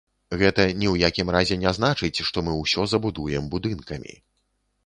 Гэта ні ў якім разе не значыць, што мы ўсё забудуем будынкамі.